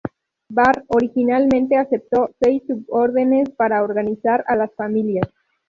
Barr originalmente aceptó seis subórdenes para organizar a las familias.